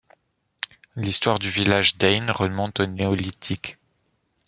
L'histoire du village d'Eyne remonte au Néolithique.